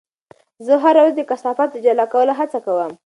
زه هره ورځ د کثافاتو د جلا کولو هڅه کوم.